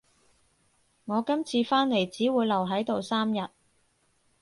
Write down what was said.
我今次返嚟只會留喺度三日